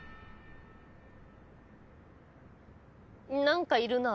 何かいるな。